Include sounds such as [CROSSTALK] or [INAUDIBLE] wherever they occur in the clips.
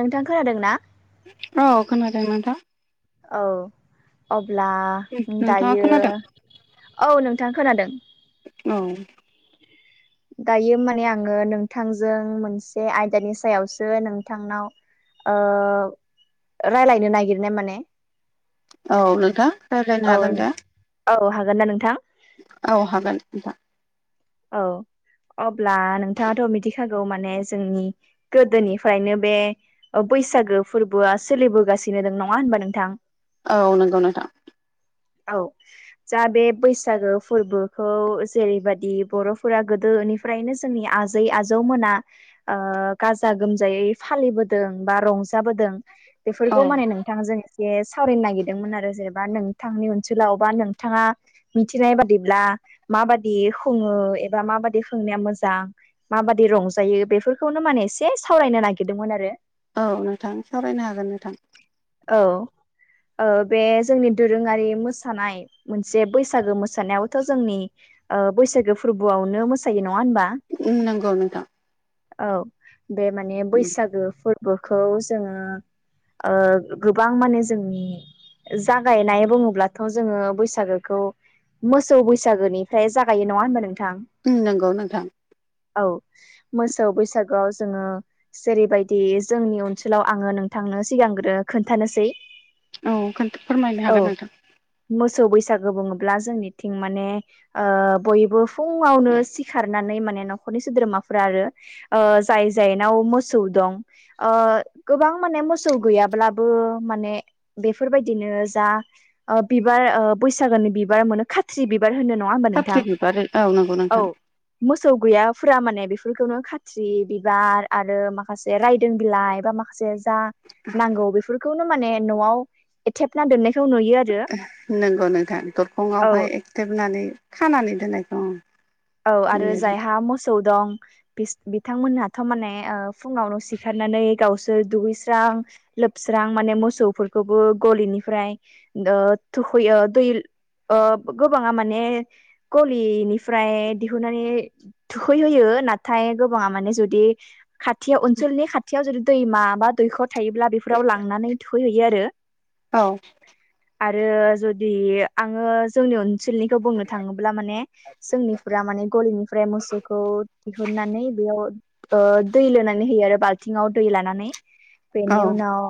नोंथां खोनादों ना? अ खोनादों नोंथां औ अब्ला नोंथाङा दायो खोनादों औ नोंथां खोनादों औ दायो माने आङो नोंथांजों मोनसे आयदानि सायावसो नोंथांनाव ओ रायलायनो नागिरनाय माने औ नोंथां रायलायनो औ हागोन दे औ हागोन ना नोंथां औ हागोन नोंथां औ अब्ला नोंथाङाथ' मिथिखागौ माने जोंनि गोदोनिफायनो बे ओ बैसागो फोरबोआ सोलिबोगासिनो दों नङा होनबा नोंथां औ नोंगौ नोंथां औ जा बे बैसागो फोरबोखौ जेरैबायदि बर'फोरा गोदोनिफ्रायनो जोंनि आजै आजौमोना ओ गाजा गोमजायै फालिबोदों बा रंजाबोदों औ बेफोरखौ माने नों थां जों एसे सावरायनो नागिरदोंमोन आरो जेनेबा नोंथांनि ओनसोलाव बा नोंथाङा मिथिनाय बादिब्ला माबादि खुङो एबा माबादि सोंनाया मोजां माबादि रंजायो बेफोरखौनो माने से सावरायनो नागिरदोंमोन आरो औ नोंथां सावरायनो हागोन नोंथां औ ओ बे जोंनि दोरोङारि मोसानाय मोनसे बैसागो मोसानायावथ' जोंनि ओ बैसागो फोरबोआवनो मोसायो नङा होनबा उम नोंगौ नोंथां औ बे माने बैसागो फोरबोखौ जोङो ओ गोबां माने जोंनि जागायनाय बुङोब्लाथ' जोङो बैसागोखौ मोसौ बैसागोनिफ्राय जागायो नङा होनबा नोंथां उम नोंगौ नोंथां औ मोसौ बैसागोआव जोङो जेरैबायदि जोंनि अनसोलाव आङो नोंथांनो सिगांग्रो खोन्थानोसै औ खोनथ फोरमायनो औ हागोन नोंथां मोसौ बैसागो बुङोब्ला जोंनिथिं माने ओ बयबो फुङावनो सिखारनानै माने न'खरनि सोद्रोमाफोरा आरो ओ जाय जायनाव मोसौ दं ओ गोबां माने मोसौ गैयाब्लाबो माने बेफोरबायदिनो जा ओ बिबार ओ बैसागोनि बिबार मोनो खा थ्रि बिबार होनो नङा होमबा नोंथां खाथ्रि बिबार औ न औ मोसौ गैयाफोरा माने बेफोरखौनो खाथ्रि बिबार आरो माखासे रायदों बिलाइ बा माखा जे जा नांगौ बेफोरखौनो माने न'आव एथेबना दोननायखौ नुयो आरो [UNINTELLIGIBLE] नोंगौ नोंथां औ दरखंआवहाय एक्टेबनानै खानानै दोननायखौ औ आरो नुयो नोंथां जायहा मोसौ दं बीस बिथांमोनहाथ' माने ओ फुङावनो सिखारनानै गावसोर दुगैस्रां लोबस्रां माने मोसौफोरखौबो गलिनिफ्राय ओ थुखैयो दै ओ गोबाङा माने कलिनिफ्राय दिहुननानै थुखैहोयो नाथाय गोबाङा माने जुदि खाथियाव अनसोलनि खा थियाव जुदि दैमा बा दैख'र थायोब्ला बेफोराव लांनानै थुखैहैयो आरो औ आरो जुदि आङो जोंनि ओनसोलनिखौ बुंनो थाङोब्ला माने जोंनि फ्रा माने गनिफ्राय मसौखौ दिहुननानै बेयाव ओ दै लोनानै होयो आरो बाल्थिंआव दै लानानै औ बेनि उनाव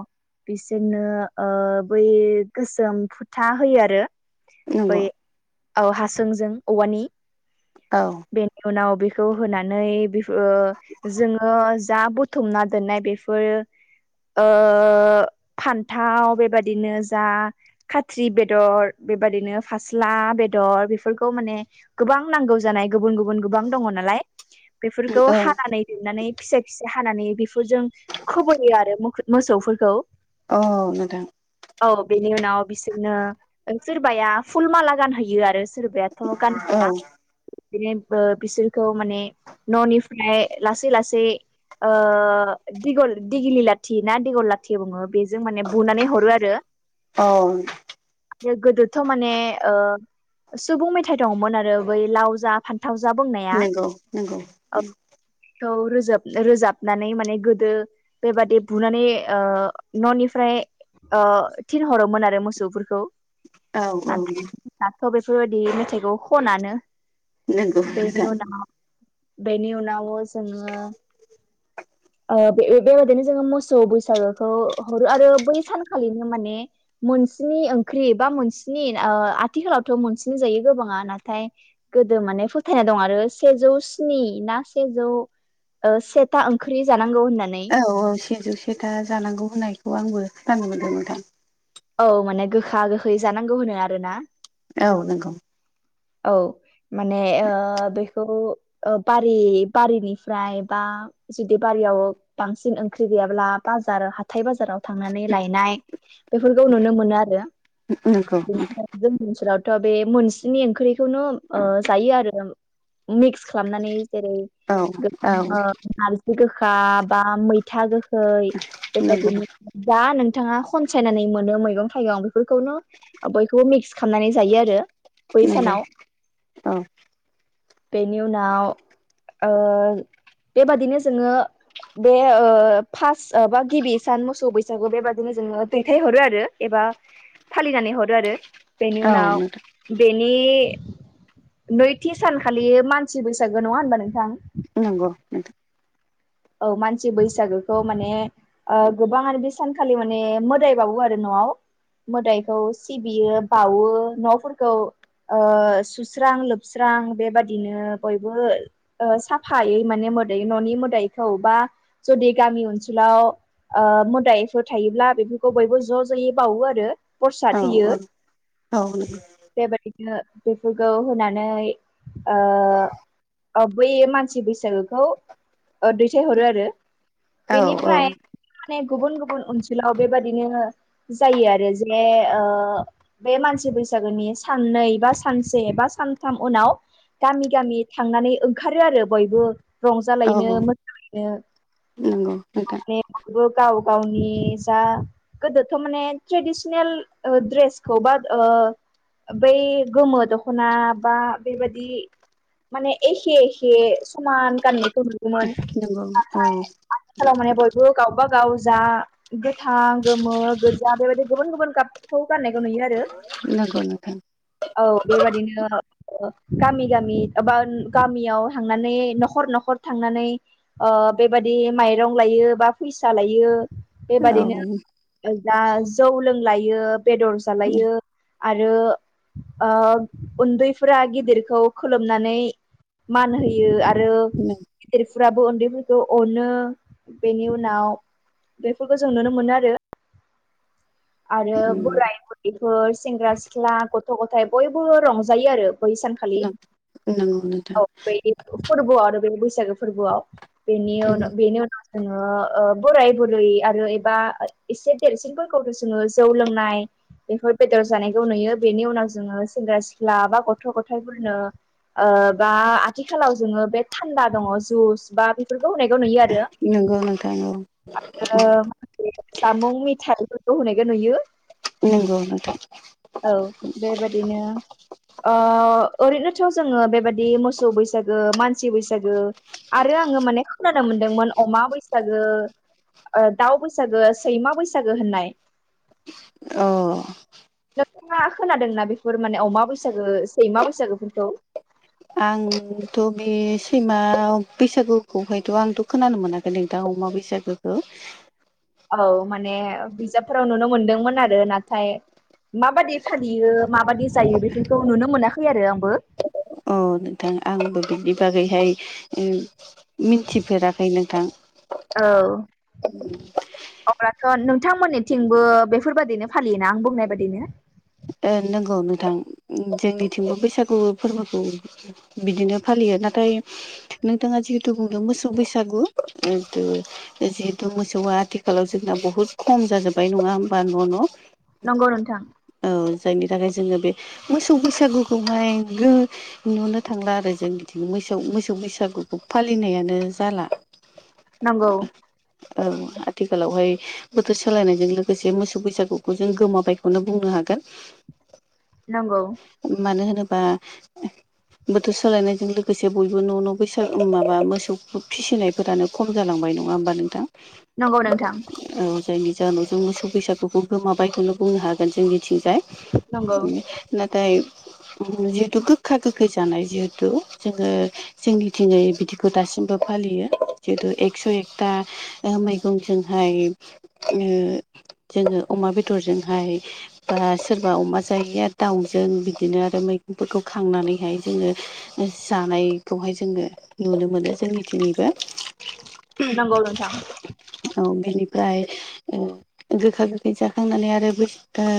बिसोरनो ओ बै गोसोम फुथा होयो आरो बै नंगौ औ हासुंजों औवानि औ बेनि उनाव बेखौ होनानै बे ओ जोङो जा बुथुमना दोननाय बेफोरो ओ फान्थाव बेबादिनो जा खाथ्रि बेदर बेबादिनो फास्ला बेदर बेफोरखौ माने गोबां नांगौ जानाय गुबुन गुबुन गोबां दङ नालाय बेफोरखौ औ हानानै लेरनानै फिसा फिसा हानानै बेफोरजों खबोैयो आरो मो-मोसौफोरखौ औ नोंथां औ बेनि उनाव बिसोरनो सोरबाया फुल माला गानहैयो आरो सोरबायाथ' औ गानहोआ बिदिनो बिसोरखौ माने न'निफ्राय लासै लासै ओ दिगिलि लाथि ना दिगल लाथि थि बुङो बेजों माने बुनानै हरो आरो औ आरो गोदोथ' माने ओ सुबुं मेथायाइ दङमोन आरो बै लाव जा फान थावजा बुंनाया नंगौ नंगौ औ थ रोजाब रोजाबनानै माने गोदो बेबादि बुनानै ओ न'निफ्राय ओ थिनहरोमोन आरो मोसौफोरखौ औ औ नाथायाथ' बेफोरबायदि मेथाइखौ खनानो नंगौ बेनि नोंथां उनाव बेनि उनाव जोङो ओ बे बेबायदिनो जोङो मोसौ बैसागोखौ हरो आरो बै सानखालिनो माने मोनसिनि ओंख्रि बा मोनसेनि आ-आथिखालावथ' मोनसिनि जायो गोबाङा नाथाय गोदो माने फोथायनाय दं आरो सेजौ स्नि ना सेजौ ओ सेथा ओंख्रि जानांगौ होननानै औ औ सेजौ सेथा जानांगौ होननायखौ आंबो खोनानो मोनदों नोंथां औ माने गोखा गोखै जानांगौ होनो आरो ना औ नंगौ औ माने ओ बेखौ बारि बारिनिफ्राय बा जुदि बारियाव बांसिन ओंख्रि गैयाब्ला बाजार हाथाय बाजाराव थांनानै लायनाय बेफोरखौ नुनो मोनो आरो उ उ नंगौ बेनिफ्राय जोंनि ओनसोलावथ' बे मोनसेनि ओंख्रिखौनो ओ जायो आरो मिक्स खालामनानै जेरै औ औ [UNINTELLIGIBLE] आलु गोखा बा मैथा गो नंगौ बेबायदिनो जा नोंथाङा खनसायनानै मोनो मैगं-थाइगं बेफोरखौनो बयखौबो मिक्स खालामनानै जायो आरो बै नंगौ सानाव औ बेनि उनाव ओ बेबादिनो जोङो बे ओ फास्ट बा गिबि सान मोसौ बैसागु बेबादिनो जोङो दैथायहरो आरो एबा फालिनानै हरो आरो बेनि औ उनाव नोंथां बेनि नैथि सानखालि मानसि बैसागो नङा होनबा नोंथां नंगौ नोंथां औ मानसि बैसागोखौ माने ओ गोबांनो बे सानखालि माने मोदायबावो आरो न'आव मोदाइखौ सिबियो बावो न'फोरखौ ओ सुस्रां लोबस्रां बेबादिनो बयबो ओ साफायै माने मोदै न'नि मोदैखौ बा जुदि गामि ओनसोलाव ओ मोदायफोर थायोब्ला बेफोरखौ बयबो ज' ज'यै बावो आरो। औ प्रसाद औ होयो नंगौ बेबायदि बेफोरखौ होनानै ओ ओ बै मानसि बैसागोखौ ओ दैथायहरो आरो औ बेनिफ्राय माने गुबुन गुबुन ओनसोलाव बेबादिनो जायो आरो जे ओ बे मानसि बैसागोनि साननै बा सानसे बा सानथाम उनाव गामि गामि थांनानै ओंखारो आरो बयबो। रंजालायनो औ [UNINTELLIGIBLE] नंगौ नोंथां माने गाव गावनि जा गोदोथ' माने ट्रेडिसिनेल ओ ड्रेसखौ बा ओ बै गोमो दख'ना बा बेबायदि माने एखे एखे समान गाननायखौ नुगौमोन नंगौ औ नाथाय आथिखालाव माने बयबो गावबा गाव जा गोथां गोमो गोजा बेबायदि गुबुन गुबुन गाबखौ गाननायखौ नुयो आरो। नंगौ नोंथां। औ बेबायदिनो गामि गामि एबा गामियाव थांनानै न'खर न'खर थांनानै ओ बेबादि माइरं लायो बा फैसा लायो। बेबादिनो दा जौ लोंलायो बेदर जालायो। आरो ओ उन्दैफोरा गिदिरखौ खोलोमनानै मान होयो आरो। गिदिरफोराबो उन्दैफोरखौ अनो बेनि उनाव बेफोरखौ जों नुनो मोनो आरो। आरो बोराय बुरैफोर सेंग्रा सिख्ला गथ' गथाय बयबो रंजायो आरो। बै सानखालि नंगौ नोंथां औ बै फोरबोआव आरो बे बैसागो फोरबोआव बेनि [UNINTELLIGIBLE] बेनि जोङो ओ बोराय बुरै आरो एबा एसे देरसिनफोरखौ जोङो जौ लोंनाय। बेफोर बेदर जानायखौ नुयो बेनि उनाव जोङो सेंग्रा सिख्ला बा गथ' गथाइफोरनो ओ बा आथिखालाव जोङो बे थान्दा दङ जुस बा बेफोरखौ होनायखौ नुयो आरो। नंगौ नोंथां औ ओ जामुं मिथाय इफोरखौ होनायखौ नुयो। नोंगौ नोंथां। औ बेबादिनो ओ ओरैनोथ' जोङो बेबायदि मोसौ बैसागो मानसि बैसागो आरो आङो माने खोनानो मोनदोंमोन अमा बैसागो ओ दाउ बैसागो सैमा बैसागो होननाय अ नोंथाङा खोनादोंना बेफोर माने अमा बैसागो सैमा बैसागोफोरखौ आंथ' बे सैमा बैसागुखौहायथ' आंथ' खोनानो मोनाखै नोंथां अमा बैसागु औ। औ माने बिजाबफोराव नुनो मोनदोंमोन आरो नाथाय माबादि फालियो माबादि जायो बेफोरखौ नुनो मोनाखै आरो आंबो। अ नोंथां आंबो बिनि बागैहाय [UNINTELLIGIBLE] मिन्थिफेराखै नोंथां। औ। अब्लाथ' नोंथांमोननिथिंबो बेफोरबादिनो फालियोना आं बुंनाय बादिनो ओ नंगौ नोंथां जोंनिथिंबो बैसागु फोरबोखौ बिदिनो फालियो नाथाय नोंथाङा जिहेथु बुंदों मोसौ बैसागु [UNINTELLIGIBLE] जिहेतु मोसौआ आथिखालाव जोंना बहुद खम जाजोब्बाय नङा होमबा न' न'। नंगौ नोंथां औ जायनि थाखाय जोङो बे मोसौ बैसागुखौहाय गो नुनो थांला आरो जोंनिथिं मोसौ मोसौ बैसागुखौ फालिनायानो जाला नंगौ औ आथिखालावहाय बोथोर सोलायनायजों लोगोसे मोसौ बैसागुखौ जों गोमाबायखौनो बुंनो हागोन गोन नंगौ मानो होनोबा बोथोर सोलायनायजों लोगोसे बयबो न' न' बैसागु माबा मोसौ फिसिनाय फोरानो खम जालांबाय नङा होमबा नोंथां नंगौ नोंथां औ जायनि जाहोनाव जों मोसौ बैसागुखौ गोमाबायखौनो बुंनो हागोन जोंनिथिं जाय नंगौ नाथाय जिहुतु गोखा गोखै जानाय जिहुतु जोङो जोंनिथिङै बिदिखौ दासिमबो फालियो जितु एकस' एकथा ओ मैगंजोंहाय ओ जोङो अमा बेदरजोंहाय बा सोरबा अमा जायैआ दाउजों बिदिनो आरो मैगंफोरखौ खांनानैहाय जोङो जानायखौहाय जोङो नुनो मोनो जोंनि दिनैबो नंगौ नोंथां औ बेनिफ्राय ओ गोखा गोखै जाखांनानै आरो बैस ओ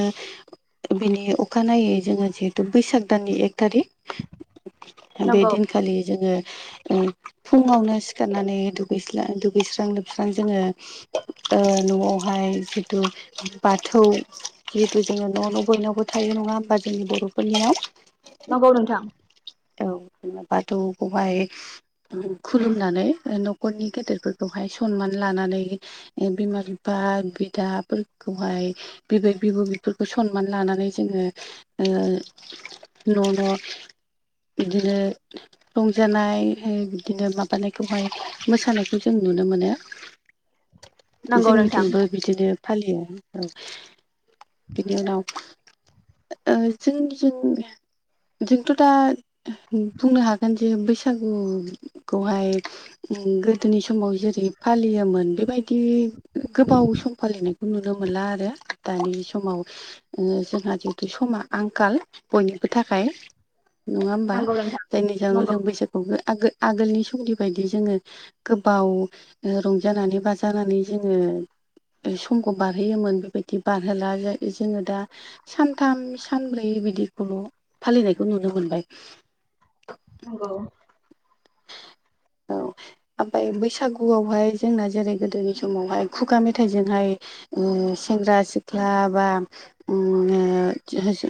बिनि अखानायै जोङो जिहेतु बैसाग दाननि एक थारिक बे नंगौ दिनखालि जोङो ओ फुङावनो सिखारनानै दुगैसां दुगैस्रां लोबस्रां जोङो ओ न'आवहाय जिथु बाथौ जिहुतु जोङो न' न' बयनावबो थायो नङा होमबा जोंनि बर'फोरनियाव नंगौ नोंथां औ बिदिनो बाथौखौहाय खुलुमनानै न'खरनि गेदेरफोरखौहाय सनमान लानानै बिमा बिफा बिदाफोरखौहाय बिबै बिब' बिफोरखौ सनमान लानानै जोङो ओ न' न' बिदिनो रंजानाय बिदिनो माबानायखौहाय मोसानायखौ जों नुनो मोनो नंगौ नोंथां जोंनिथिंबो बिदिनो फालियो औ बिनि उनाव ओ जों जों जोंथ' दा बुंनो हागोन जे बैसागुखौहाय उम गोदोनि समाव जेरै फालियोमोन बेबायदि गोबाव सम फालिनाय खौ नुनो मोनला आरो दानि समाव ओ जोंहा जितु समा आंखाल बयनिबो थाखाय नङा होमबा नंगौ नोंथां जायनि जाहोनाव नंगौ जों बैसागु आगोल आगोलनि समनि बायदि जोङो गोबाव रंजानानै बाजानानै जोङो समखौ बारहोयोमोन बेबायदि बारहोला जोङो दा सानथाम सानब्रै बिदिखौल' फालिनायखौ नुनो मोनबाय नंगौ औ ओमफ्राय बैसागुआवहाय जोंना जेरै गोदोनि समावहाय खुगा मेथाइजोंहाय ओ सेंग्रा सिख्ला बा ओम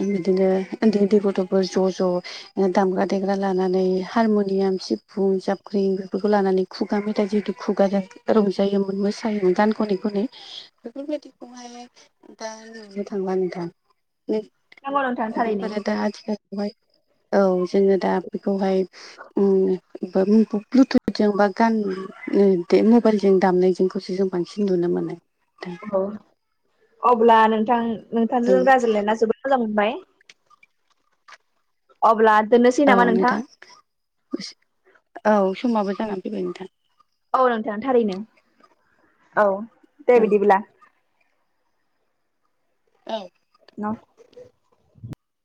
ओ बिदिनो उन्दै उन्दै गथ'फोर ज' ज' ओ दामग्रा देग्रा लानानै हारमुनियाम सि फुं जाबख्रिं बेफोरखौ लानानै खुगा मेथाइ जिहेथु खुगाजों रंजायोमोन मोसायोमोन गान खनै खनै बेफोरबायदिखौहाय दा नुनो थांला नोंथां। नंगौ नोंथां थारैनो बेफोरो दा आथिखाल औ जोङो दा बेखौहाय औ रुमखौ ब्लुथुथजोंबा गान बे मबाइलजों दामनायजोंखौसो जों बांसिन नुनो मोनो दा। औ अब्ला नोंथां औ नोंथांजों रायज्लायना जोबोद मोजां मोनबाय। अब्ला दोननोसै। औ नोंथां औ समाबो जानानै फैबाय नोंथां। औ नोंथां थारैनो। औ दे औ। बिदिब्ला। औ [INAUDIBLE]